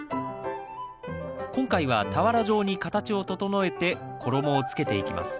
今回は俵状に形を整えて衣をつけていきます。